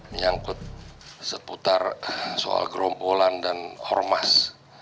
menyangkut seputar soal gerombolan dan ormas